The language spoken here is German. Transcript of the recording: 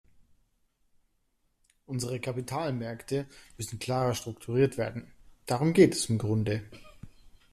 Unsere Kapitalmärkte müssen klarer strukturiert werden, darum geht es im Grunde.